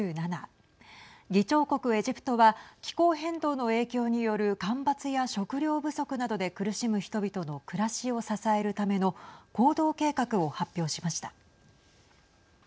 議長国エジプトは気候変動の影響による干ばつや食料不足などで苦しむ人々の暮らしを支えるための行動計画を発表しました。